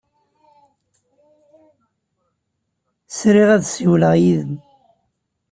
Sriɣ ad ssiwleɣ yid-m.